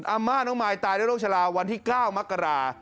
อาม่าน้องมายตายด้วยโรคชะลาวันที่๙มกรา